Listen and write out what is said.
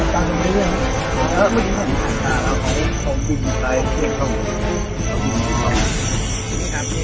ช่วยตัดแต่งสีและซูมเข้าไปให้เห็น